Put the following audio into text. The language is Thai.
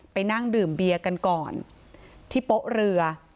ไปนั่งดื่มเบียร์กันก่อนที่โป๊ะเรือ